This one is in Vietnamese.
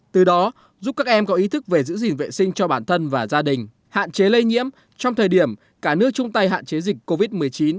từ đó giúp các em có ý thức về giữ gìn vệ sinh cho bản thân và gia đình hạn chế lây nhiễm trong thời điểm cả nước chung tay hạn chế dịch covid một mươi chín